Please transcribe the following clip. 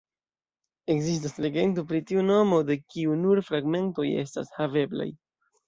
Ekzistas legendo pri tiu nomo, de kiu nur fragmentoj estas haveblaj.